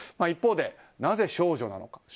一方でなぜ少女なのか